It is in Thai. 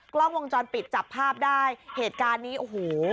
กล้องวงจรปิดจับภาพได้เหตุการณ์นี้โอ้โห